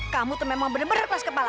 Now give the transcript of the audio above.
kamu tuh memang bener bener kelas kepala